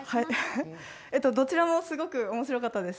どちらもすごく面白かったです。